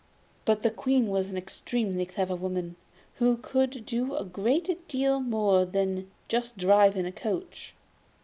But the Queen was an extremely clever woman, who could do a great deal more than just drive in a coach.